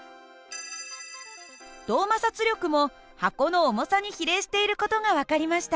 動摩擦力も箱の重さに比例している事が分かりました。